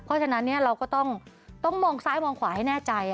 เพราะฉะนั้นเราก็ต้องมองซ้ายมองขวาให้แน่ใจ